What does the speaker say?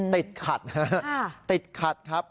ติดขัดฮะติดขัดครับ